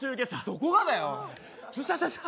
どこがだよ。